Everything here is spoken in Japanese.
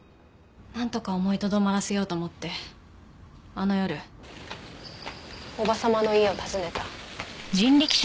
なんとか思いとどまらせようと思ってあの夜叔母様の家を訪ねた。